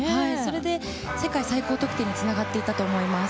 世界最高得点につながっていったと思います。